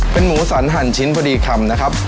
เป็นหมูสันหั่นชิ้นพอดีคำนะครับ